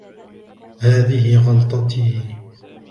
هذه غلطتي.